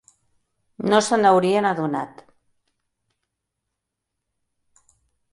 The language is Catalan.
No se'n haurien adonat.